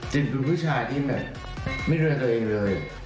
เป็นผู้ชายที่แบบไม่ดูแลตัวเองเลย